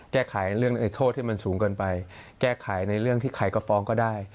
แก้ไขเรื่องโทษให้มันสูงเกินไปแก้ไขในเรื่องที่ใครก็ฟ้องก็ได้